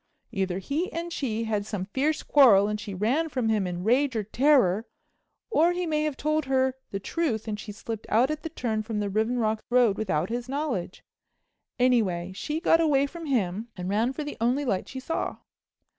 Either he and she had some fierce quarrel and she ran from him in rage or terror, or he may have told the truth and she slipped out at the turn from the Riven Rock Road without his knowledge. Anyway she got away from him and ran for the only light she saw.